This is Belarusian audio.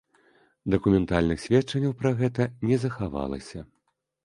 Дакументальных сведчанняў пра гэта не захавалася.